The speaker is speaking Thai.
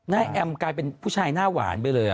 แอมกลายเป็นผู้ชายหน้าหวานไปเลย